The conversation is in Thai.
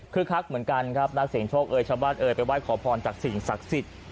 คือคักเหมือนกันครับนักเสียงโชคเอ่ยชาวบ้านเอ่ยไปไห้ขอพรจากสิ่งศักดิ์สิทธิ์